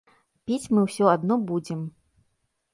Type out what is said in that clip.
Піць мы ўсё адно будзем.